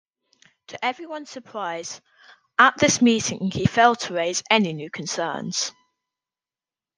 To everyone's surprise, at this meeting he failed to raise any new concerns.